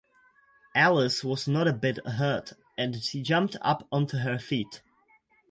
Alice was not a bit hurt, and she jumped up onto her feet.